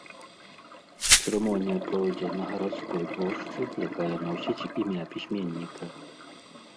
Цырымонія пройдзе на гарадской плошчы, якая носіць імя пісьменніка.